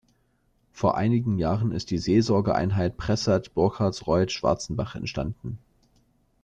Vor einigen Jahren ist die Seelsorgeeinheit Pressath-Burkhardsreuth-Schwarzenbach entstanden.